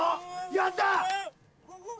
やった！